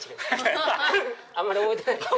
アハハあんまり覚えてない。